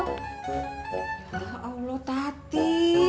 ya allah tati